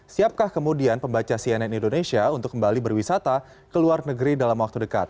siapkah kemudian pembaca cnn indonesia untuk kembali berwisata ke luar negeri dalam waktu dekat